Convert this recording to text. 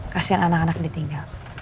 kasian anak anak ditinggal